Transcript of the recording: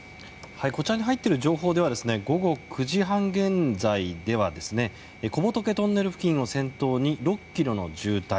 こちらに入っている情報では午後９時半現在小仏トンネル付近を先頭に６ｋｍの渋滞。